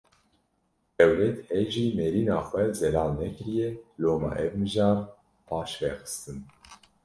Dewlet hê jî nêrîna xwe zelal nekiriye, loma ev mijar paşve xistin